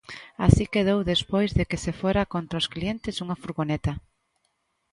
Así quedou despois de que se fora contra os clientes unha furgoneta.